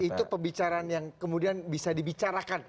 itu pembicaraan yang kemudian bisa dibicarakan